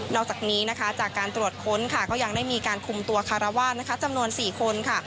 อกจากนี้นะคะจากการตรวจค้นค่ะก็ยังได้มีการคุมตัวคารวาสนะคะจำนวน๔คนค่ะ